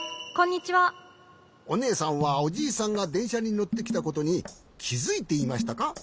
おねえさんはおじいさんがでんしゃにのってきたことにきづいていましたか？